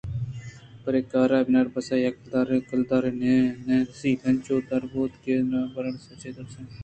پرے کار ءَ بناربس ءَ یک کلدارے نہ رست ءُانچوش درا بوت کہ برانزوک چہ تُرس ءُلرز اے کار ءَ کنگ ءَ اِنت ءُایشی ءِ تہا بیم باز اِنت